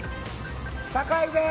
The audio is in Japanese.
酒井です！